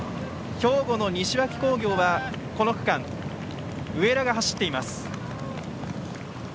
兵庫の西脇工業は、この区間上田が走っています。